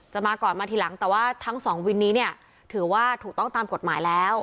มาก่อนมาทีหลังแต่ว่าทั้งสองวินนี้เนี่ยถือว่าถูกต้องตามกฎหมายแล้ว